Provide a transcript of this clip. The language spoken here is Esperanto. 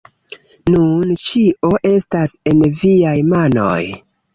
Nun ĉio estas en viaj manoj